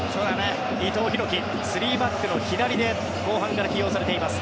伊藤洋輝３バックの左で後半から起用されています。